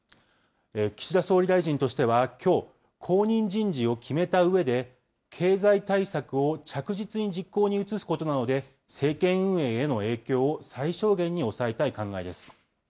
岸田総理大臣としては、きょう、後任人事を決めたうえで、経済対策を着実に実行に移すことなどで、政権運営への影響を最小限に抑えたい考えです。